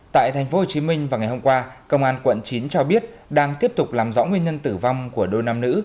tại tp hcm vào ngày hôm qua công an quận chín cho biết đang tiếp tục làm rõ nguyên nhân tử vong của đôi nam nữ